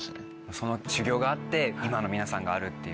その修業があって今の皆さんがあるっていう。